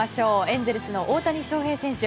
エンゼルスの大谷翔平選手